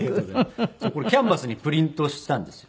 これキャンバスにプリントしたんですよ。